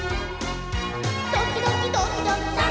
「どきどきどきどき」